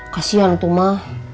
kasian tuh mah